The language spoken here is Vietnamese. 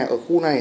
ở khu này